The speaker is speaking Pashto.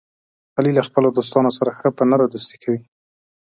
علي له خپلو دوستانو سره ښه په نره دوستي کوي.